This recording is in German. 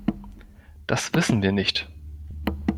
Das wissen wir nicht.